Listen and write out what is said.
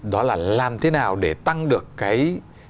đó là làm thế nào để tăng được cái